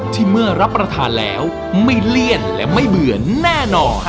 เมื่อรับประทานแล้วไม่เลี่ยนและไม่เบื่อแน่นอน